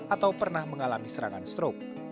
atau pernah mengalami serangan stroke